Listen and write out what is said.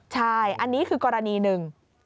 ใช่อันนี้คือกรณีหนึ่ง